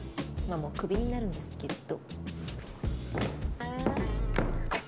あもうクビになるんですけど。